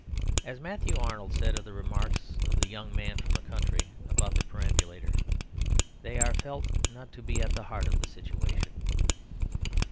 As Matthew Arnold said of the remarks of the Young Man from the Country about the perambulator, they are felt not to be at the heart of the situation.